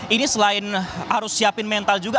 ini selain harus siapin mental juga